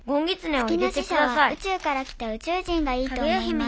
「月の使者は宇宙から来た宇宙人がいいと思います」。